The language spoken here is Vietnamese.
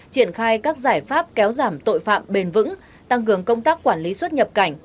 triển khai các giải pháp kéo giảm tội phạm bền vững tăng cường công tác quản lý xuất nhập cảnh